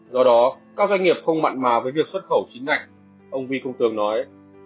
do đó các doanh nghiệp không mặn mà với việc xuất khẩu chính ngạch ông vi công tường nói